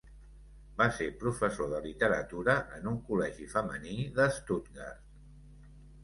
Va ser professor de literatura en un col·legi femení de Stuttgart.